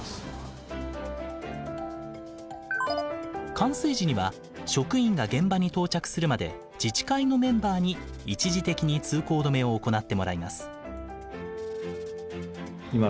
冠水時には職員が現場に到着するまで自治会のメンバーに一時的に通行止めを行ってもらいます。